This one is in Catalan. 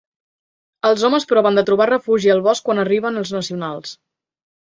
Els homes proven de trobar refugi al bosc quan arriben els Nacionals.